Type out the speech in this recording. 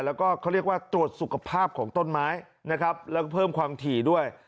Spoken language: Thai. แล้วก็เขาเรียกว่าตรวจสุขภาพของต้นไม้นะครับแล้วก็เพิ่มความถี่ด้วย